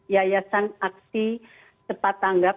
yayasan aksi tepat tanggap